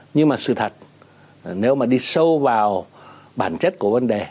nhưng mà sự thật nếu mà đi sâu vào bản chất của vấn đề